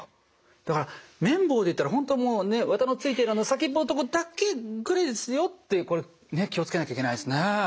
だから綿棒でいったら本当もう綿のついてる先っぽのとこだけぐらいですよってこれ気を付けなきゃいけないですね。